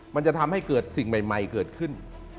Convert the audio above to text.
มันจะทำให้เกิดสิ่งใหม่เกิดขึ้น